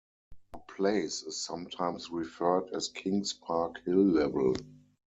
The place is sometimes referred as King's Park Hill Level.